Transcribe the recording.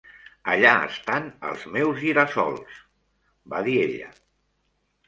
"Allà estan els meus gira-sols!" va dir ella.